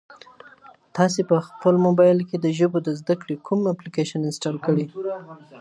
تاسي په خپل موبایل کي د ژبو د زده کړې کوم اپلیکیشن انسټال کړی؟